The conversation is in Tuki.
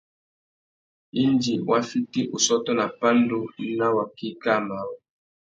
Indi wa fiti ussôtô nà pandú nà waki kā marru.